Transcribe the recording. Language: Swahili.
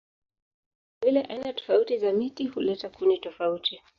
Vilevile aina tofauti za miti huleta kuni tofauti.